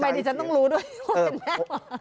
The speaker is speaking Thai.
ทำไมที่ฉันต้องรู้ด้วยว่าเป็นแม่มัน